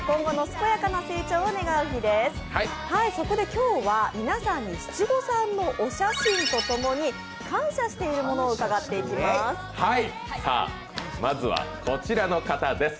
今日は皆さんの七五三のお写真と共に感謝しているものを伺っていきます。